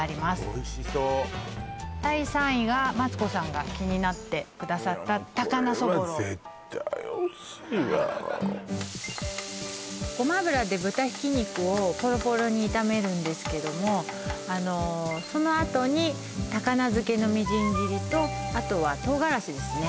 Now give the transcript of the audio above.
おいしそう第３位がマツコさんが気になってくださった高菜そぼろごま油で豚ひき肉をぽろぽろに炒めるんですけどもそのあとに高菜漬けのみじん切りとあとは唐辛子ですね